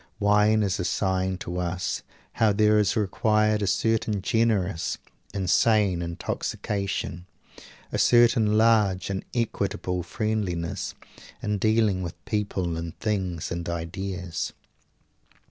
Wine is a sign to us how there is required a certain generous and sane intoxication, a certain large and equable friendliness in dealing with people and things and ideas.